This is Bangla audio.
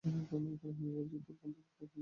আমি বলছি, তোর এই বন্ধুর কোনো ভবিষ্যৎ নেই।